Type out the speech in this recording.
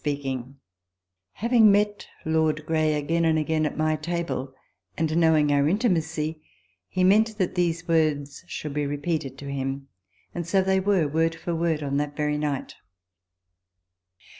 * [Having met Lord Grey again and again at my table, and knowing our intimacy, he meant that these words should be repeated to him ; and so they were, word for word, on that very night.